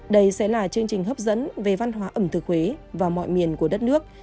đây sẽ là chương trình hấp dẫn về văn hóa ẩm thực huế vào mọi miền của đất nước